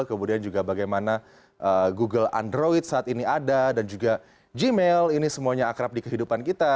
kemudian juga bagaimana google android saat ini ada dan juga gmail ini semuanya akrab di kehidupan kita